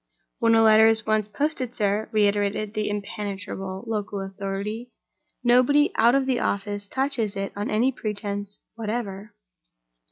"When a letter is once posted, sir," reiterated the impenetrable local authority, "nobody out of the office touches it on any pretense whatever."